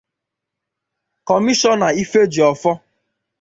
Kọmishọna Ifejiofor